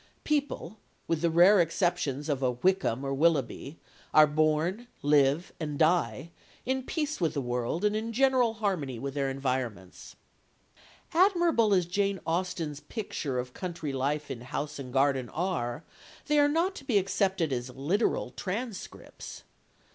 People, with the rare exceptions of a Wickham or a Willoughby, are born, live, and die, in peace with the world and in general harmony with their environments. Admirable as Jane Austen's pictures of country life in house and garden are, they are not to be accepted as literal transcripts.